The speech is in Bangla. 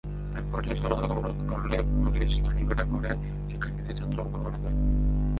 একপর্যায়ে সড়ক অবরোধ করলে পুলিশ লাঠিপেটা করে শিক্ষার্থীদের ছত্রভঙ্গ করে দেয়।